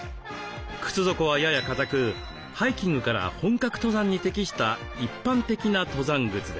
靴底はやや硬くハイキングから本格登山に適した一般的な登山靴です。